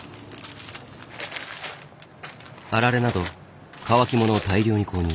あられなど乾きものを大量に購入。